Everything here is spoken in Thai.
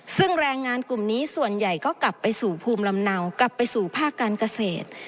ซึ่งแรงงานกลุ่มนี้ส่วนใหญ่ก็กลับไปสู่ภูมิลำเนากลับไปสู่ภาคการเกษตร